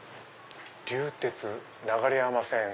「流鉄流山線」。